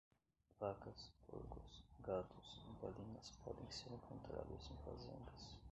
Vacas, porcos, patos e galinhas podem ser encontrados em fazendas